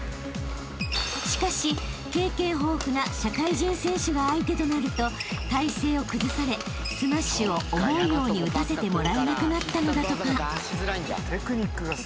［しかし経験豊富な社会人選手が相手となると体勢を崩されスマッシュを思うように打たせてもらえなくなったのだとか］